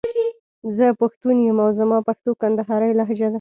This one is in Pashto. زه پښتون يم او زما پښتو کندهارۍ لهجه ده.